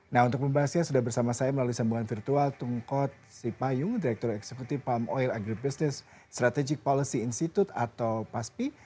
nah untuk membahasnya sudah bersama saya melalui sambungan virtual tungkot sipayung direktur eksekutif palm oil agribus strategic policy institute atau paspi